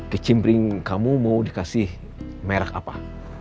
kicim pring kamu mau dikasih merek apa